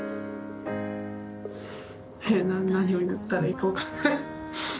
何を言ったらいいか分からない。